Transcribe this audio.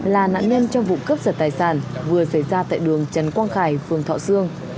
là nạn nhân trong vụ cướp giật tài sản vừa xảy ra tại đường trần quang khải phường thọ sương